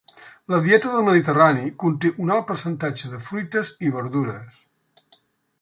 La dieta del mediterrani conté un alt percentatge de fruites i verdures.